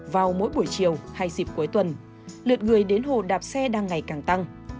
vào mỗi buổi chiều hay dịp cuối tuần lượt người đến hồ đạp xe đang ngày càng tăng